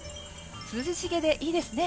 涼しげでいいですね